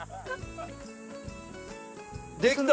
できた！